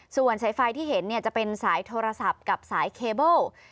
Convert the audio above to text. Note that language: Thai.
ส่วนสายไฟที่เห็นจะเป็นสายโทรศัพท์กับสายเคเบิล